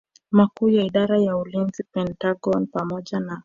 Makuu ya Idara ya Ulinzi Pentagon pamoja na